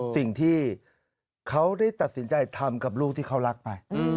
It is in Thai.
สิ่งที่เขาได้ตัดสินใจทำกับลูกที่เขารักไป